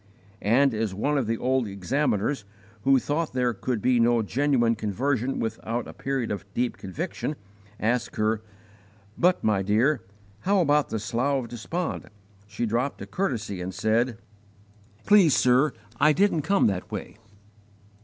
And as one of the old examiners, who thought there could be no genuine conversion without a period of deep conviction, asked her, "But, my dear, how about the Slough of Despond?" she dropped a courtesy and said, "_Please, sir, I didn't come that way!